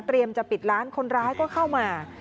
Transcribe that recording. จะปิดร้านคนร้ายก็เข้ามา